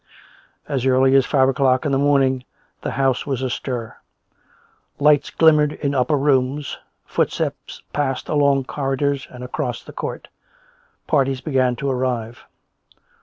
As early as five o'clock in the morning the house was astir: lights glimmered in upper rooms; footsteps passed along corridors and across the court; parties began to arrive.